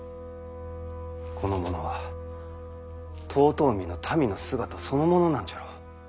この者は遠江の民の姿そのものなんじゃろ。